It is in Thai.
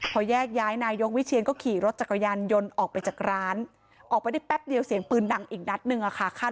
พอแยกย้ายนายกวิเชียนก็ขี่รถจักรยานยนต์ออกไปจากร้านออกไปได้แป๊บเดียวเสียงปืนดังอีกนัดหนึ่งอะค่ะ